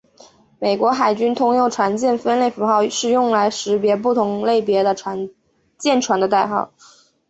美国海军通用舰船分类符号是用来识别不同类别的舰船的代号。